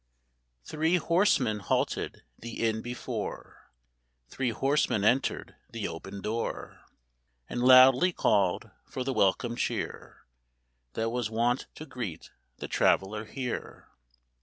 ^HREE horsemen halted the inn before ; Three horsemen entered the open door, And loudly called for the welcome cheer That was wont to greet the traveller here.